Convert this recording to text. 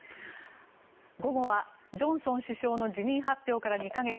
午後は、ジョンソン首相の辞任発表から２か月。